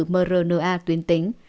mrna tuyến tính